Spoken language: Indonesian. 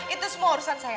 itu semua urusan saya